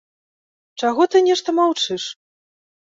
Чаго ты нешта маўчыш!